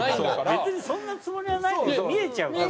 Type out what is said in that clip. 別にそんなつもりはない見えちゃうから。